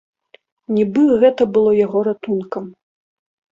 Нібы гэта было яго ратункам.